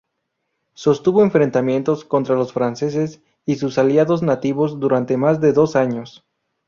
Sostuvo enfrentamientos contra los franceses y sus aliados nativos durante más de dos años.